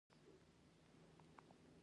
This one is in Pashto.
د لغمان کرکټ ښار د اشوکا پلازمېنه وه